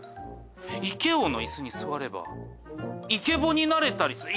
イケ王の椅子に座ればイケボになれたりする。